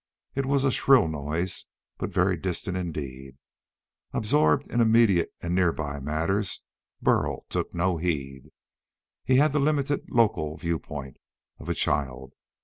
It was a shrill noise, but very distant indeed. Absorbed in immediate and nearby matters, Burl took no heed. He had the limited local viewpoint of a child.